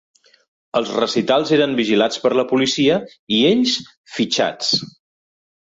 Els recitals eren vigilats per la policia i ells, fitxats.